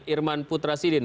irman putra sidin